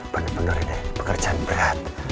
bener bener ini pekerjaan berat